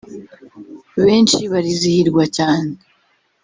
benshi barizihirwa cyane